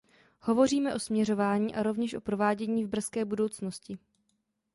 Hovoříme o směřování a rovněž o provádění v brzké budoucnosti.